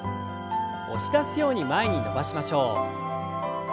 押し出すように前に伸ばしましょう。